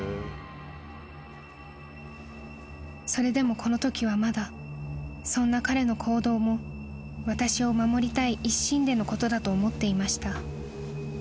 ［それでもこのときはまだそんな彼の行動も私を守りたい一心でのことだと思っていました］